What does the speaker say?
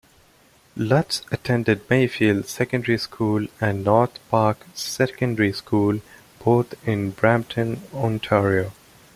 Lutz attended Mayfield Secondary School and North Park Secondary School, both in Brampton, Ontario.